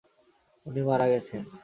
উনি মারা গেছেন।